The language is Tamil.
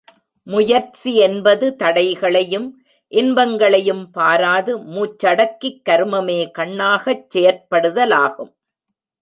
முயற்சி என்பது தடைகளையும் இன்பங்களையும் பாராது, மூச்சடக்கி கருமமே கண்ணாகச் செயற்படுதலாகும்.